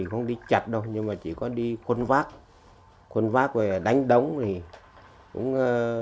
không đi chặt đâu nhưng mà chỉ có đi khuôn vác và đánh đống